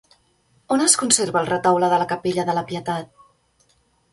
On es conserva el retaule de la capella de la Pietat?